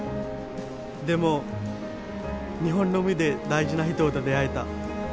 でも日本の海で大事な人と出会えた。